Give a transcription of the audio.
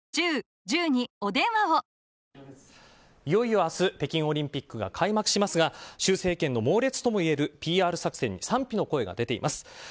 いよいよ明日北京オリンピックが開幕しますが習政権の猛烈ともいえるＰＲ作戦に賛否の声が出ています。